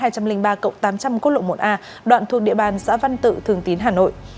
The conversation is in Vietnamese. ba trăm linh ba cộng tám trăm linh quốc lộ một a đoạn thuộc địa bàn xã văn tự thường tín hà nội